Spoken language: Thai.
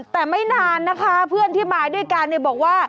แต่ไม่นานนะคะเพื่อนที่มาด้วยกันเนี่ยบอกว่า